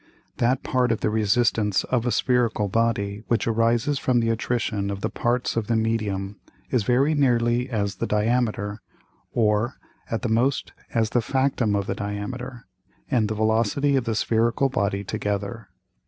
That part of the Resistance of a spherical Body which arises from the Attrition of the Parts of the Medium is very nearly as the Diameter, or, at the most, as the Factum of the Diameter, and the Velocity of the spherical Body together.